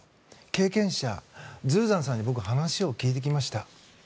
経験者、ズーザンさんに僕、話を聞いてきました。